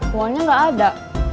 soalnya gak ada